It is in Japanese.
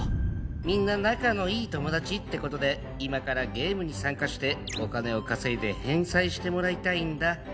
みんな仲のいい友達って事で今からゲームに参加してお金を稼いで返済してもらいたいんだ。